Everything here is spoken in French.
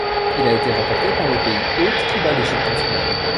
Il a été remporté par le pays hôte qui bat l’Égypte en finale.